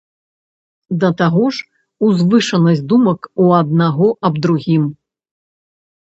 Да таго ж, узвышанасць думак у аднаго аб другім.